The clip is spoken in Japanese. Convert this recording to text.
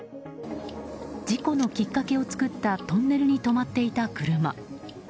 事故のきっかけを作ったトンネルに止まっていた車。